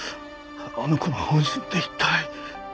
あの子の本心って一体。